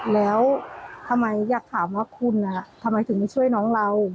แล้วทำไมอยากถามว่าคุณทำไมถึงไม่ช่วยน้องเรา